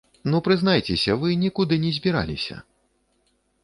Ну прызнайцеся, вы нікуды і не збіраліся.